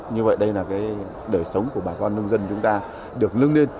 như vậy đây là đời sống của bà con nông dân chúng ta được lưng lên